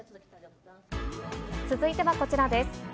続いてはこちらです。